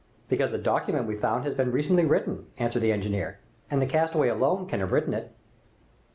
"Because the document we found had been recently written," answered the engineer, "and the castaway alone can have written it."